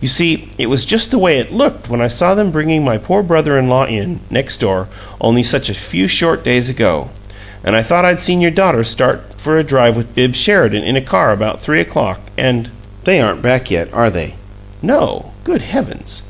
You see, it was just the way it looked when I saw them bringing my poor brother in law in, next door, only such a few short days ago. And I thought I'd seen your daughter start for a drive with Bibbs Sheridan in a car about three o'clock and They aren't back yet, are they?" "No. Good heavens!"